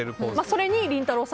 それにりんたろー。